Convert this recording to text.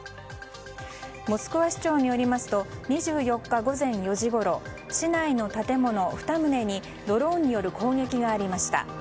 モスクワ市長によりますと２４日午前４時ごろ市内の建物２棟にドローンによる攻撃がありました。